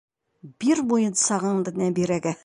Бир муйынсағыңды Нәбирәгә!